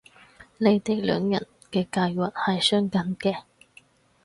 你哋兩人嘅計劃係相近嘅